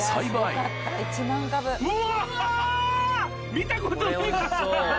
見たことない！